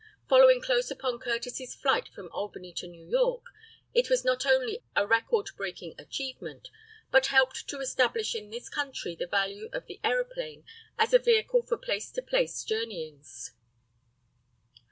Following close upon Curtiss's flight from Albany to New York, it was not only a record breaking achievement, but helped to establish in this country the value of the aeroplane as a vehicle for place to place journeyings.